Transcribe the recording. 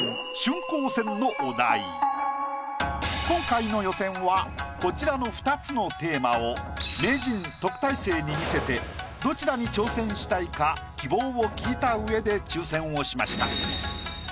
今回の予選はこちらの２つのテーマを名人・特待生に見せてどちらに挑戦したいか希望を聞いたうえで抽選をしました。